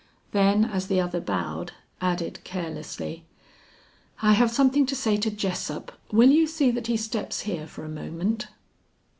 Then as the other bowed, added carelessly, "I have something to say to Jessup; will you see that he steps here for a moment?"